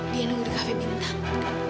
dia nunggu di cafe bintang